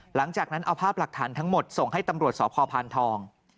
หลังจากนั้นเอาภาพหลักฐานทั้งหมดส่งให้ตำรวจสพพานทอง